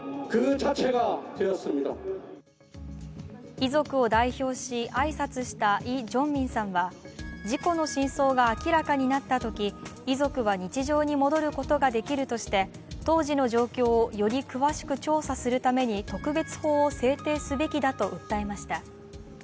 遺族を代表し、挨拶したイ・ジョンミンさんは事故の真相が明らかになったとき遺族は日常に戻ることができるとして当時の状況をより詳しく調査するために特別法を制定すべきだと訴えました。